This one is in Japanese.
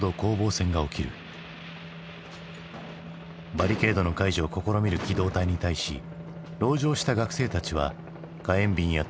バリケードの解除を試みる機動隊に対し籠城した学生たちは火炎瓶や投石で抵抗。